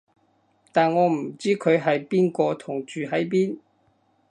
但我唔知佢係邊個同住喺邊